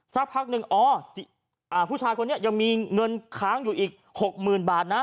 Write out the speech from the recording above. สักพักหนึ่งอ๋อผู้ชายคนนี้ยังมีเงินค้างอยู่อีก๖๐๐๐บาทนะ